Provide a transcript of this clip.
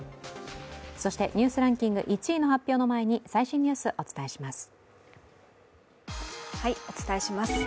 そして、「ニュースランキング」１位の発表の前に最新ニュースをお伝えします。